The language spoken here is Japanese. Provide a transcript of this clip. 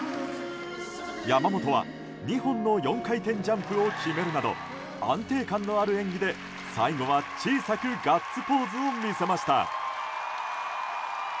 山本は２本の４回転ジャンプを決めるなど安定感のある演技で最後は小さくガッツポーズを見せました。